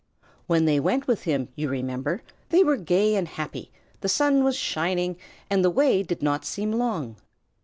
When they went with him, you remember, they were gay and happy, the sun was shining, and the way did not seem long.